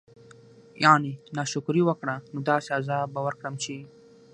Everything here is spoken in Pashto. يعني نا شکري وکړه نو داسي عذاب به ورکړم چې